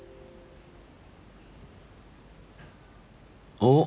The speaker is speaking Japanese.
おっ！